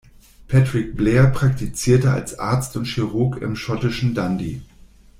Patrick Blair praktizierte als Arzt und Chirurg im schottischen Dundee.